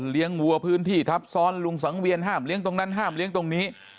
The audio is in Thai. วัวพื้นที่ทับซ้อนลุงสังเวียนห้ามเลี้ยตรงนั้นห้ามเลี้ยงตรงนี้